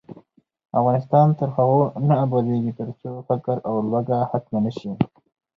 افغانستان تر هغو نه ابادیږي، ترڅو فقر او لوږه ختمه نشي.